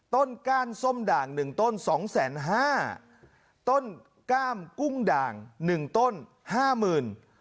ก้านส้มด่างหนึ่งต้นสองแสนห้าต้นกล้ามกุ้งด่างหนึ่งต้นห้าหมื่น